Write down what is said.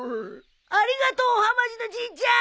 ありがとう！はまじのじいちゃん！